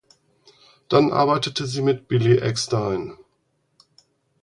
Dann arbeitete sie mit Billy Eckstine.